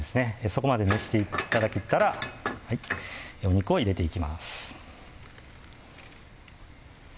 そこまで熱して頂けたらお肉を入れていきます